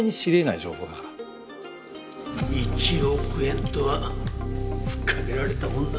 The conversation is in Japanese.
１億円とは吹っ掛けられたものだ。